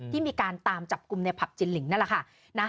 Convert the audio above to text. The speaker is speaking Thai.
ที่มีการตามจับกลุ่มในผับจินลิงนั่นแหละค่ะ